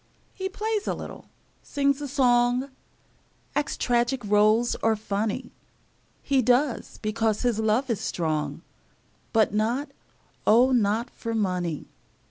He plays a little, sings a song, Acts tragic roles or funny; He does, because his love is strong, But not, oh, not for money!